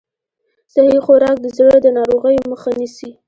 صحي خوراک د زړه د ناروغیو مخه نیسي.